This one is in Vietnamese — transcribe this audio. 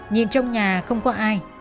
nhìn trong nhà không có ai